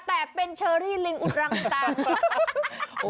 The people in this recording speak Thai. แต่เป็นเชอรี่ลิงอุดรังตาม